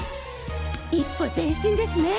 一歩前進ですね。